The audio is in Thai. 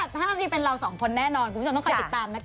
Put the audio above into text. ถ้าจริงเป็นเราสองคนแน่นอนคุณผู้ชมต้องคอยติดตามนะคะ